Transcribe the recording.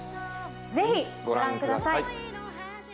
ぜひ御覧ください。